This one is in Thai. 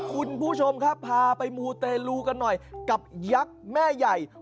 คุณผู้ชมครับพาไปมูเตลูกันหน่อยกับยักษ์แม่ใหญ่